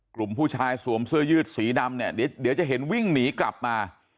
กลุ่มผู้ชายสวมเสื้อยืดสีดำเนี่ยเดี๋ยวจะเห็นวิ่งหนีกลับมา